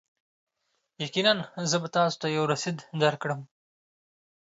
یقینا، زه به تاسو ته یو رسید درکړم.